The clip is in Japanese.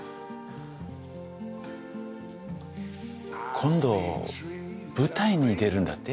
今度舞台に出るんだって？